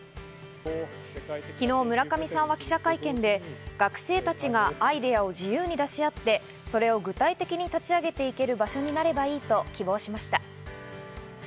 昨日、村上さんは記者会見で、学生たちがアイデアを自由に出し合って、それを具体的に立ち上げていける場所になればいいと希望しました。